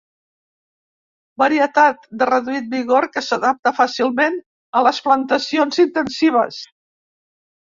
Varietat de reduït vigor que s'adapta fàcilment a les plantacions intensives.